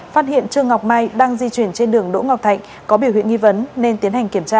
phát hiện trương ngọc mai đang di chuyển trên đường đỗ ngọc thạnh có biểu hiện nghi vấn nên tiến hành kiểm tra